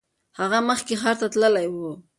هغه مخکې ښار ته تللی و.